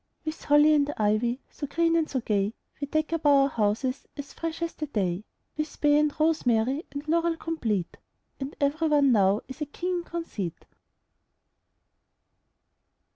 With holly and ivy So green and so gay, We deck up our houses As fresh as the day; With bay and rosemary And laurel complete; And every one now Is a king in conceit.